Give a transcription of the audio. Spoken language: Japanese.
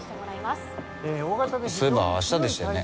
そういえばあしたでしたよね。